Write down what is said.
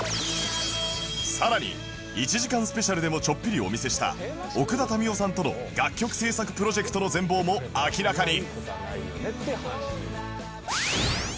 さらに１時間スペシャルでもちょっぴりお見せした奥田民生さんとの楽曲制作プロジェクトの全貌も明らかに